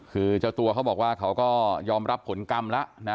คือเจ้าตัวเขาบอกว่าเขาก็ยอมรับผลกรรมแล้วนะ